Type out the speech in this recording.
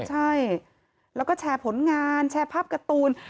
ใช่แล้วก็แชร์ผลงานแชร์ภาพการ์ตูน